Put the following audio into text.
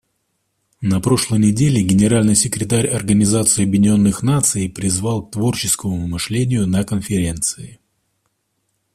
На прошлой неделе Генеральный секретарь Организации Объединенных Наций призвал к творческому мышлению на Конференции.